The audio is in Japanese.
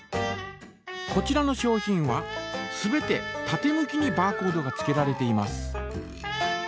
こちらの商品は全て縦向きにバーコードがつけられています。